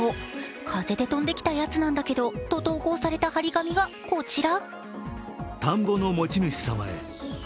風で飛んできたヤツなんだけどと投稿された貼り紙がこちら。